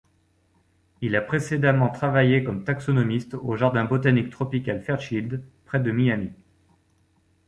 Il a précédemment travaillé comme taxonomiste au Jardin botanique tropical Fairchild, près de Miami.